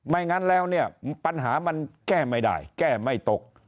งั้นแล้วเนี่ยปัญหามันแก้ไม่ได้แก้ไม่ตก